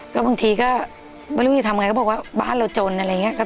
ก็บางทีก็ไม่รู้จะทำไงก็บอกว่าบ้านเราจนอะไรอย่างนี้